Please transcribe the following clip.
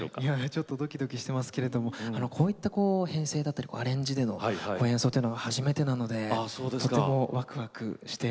ちょっとどきどきしてますけれどもこういった編成だったりアレンジでの演奏というのは初めてなのでとてもわくわくしております。